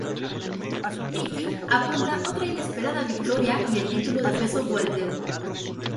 Micky apunta otra inesperada victoria y el título de peso welter.